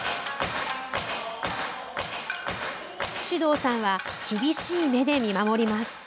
獅童さんは厳しい目で見守ります。